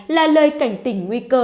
là lời cảnh tỉnh nguy cơ